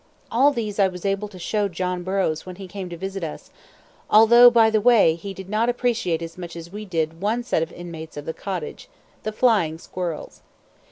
All these I was able to show John Burroughs when he came to visit us; although, by the way, he did not appreciate as much as we did one set of inmates of the cottage the flying squirrels.